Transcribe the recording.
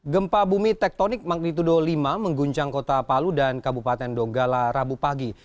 gempa bumi tektonik magnitudo lima mengguncang kota palu dan kabupaten donggala rabu pagi